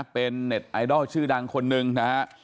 เป็นเน็ตไอดอลชื่อดังคนหนึ่งนะฮะ